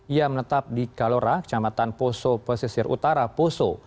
ia menetap di kalora kecamatan poso pesisir utara poso